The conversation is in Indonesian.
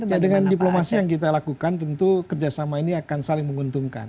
ya dengan diplomasi yang kita lakukan tentu kerjasama ini akan saling menguntungkan